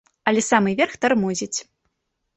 Але самы верх тармозіць.